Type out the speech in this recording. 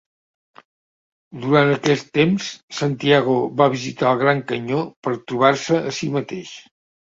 Durant aquest temps, Santiago va visitar el Gran Canyó per trobar-se a si mateix.